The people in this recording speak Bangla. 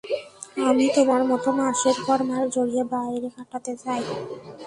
আমি তোমার মতো মাসের পর মাস বাড়ির বাইরে কাটাই না!